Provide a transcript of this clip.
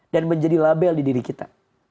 dan menjadi label di diri kita